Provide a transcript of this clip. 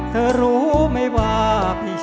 เธอรู้ไหมว่า